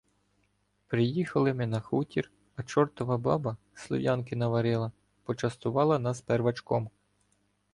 Приїхали ми на хутір, а чортова баба слив'янки наварила, почастувала нас первачком.